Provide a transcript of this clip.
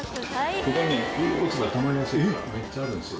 ここに落ち葉たまりやすいからめっちゃあるんですよ。